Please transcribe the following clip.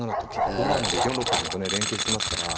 ５七まで４六と金とね連携してますから。